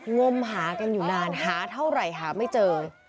งมหากันอยู่นานหาเท่าไหร่หาไม่เจอ